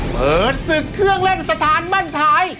เปิดศึกเครื่องเล่นสถานบ้านไทย